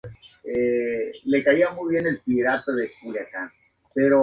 Su álbum de despedida, "Recordando el futuro", fue publicado en iTunes.